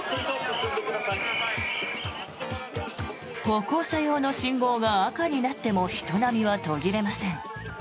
歩行者用の信号が赤になっても人波は途切れません。